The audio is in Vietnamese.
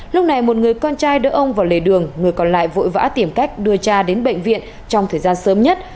lúc này một người con trai đỡ ông vào lề đường người còn lại vội vã tìm cách đưa cha đến bệnh viện trong thời gian sớm nhất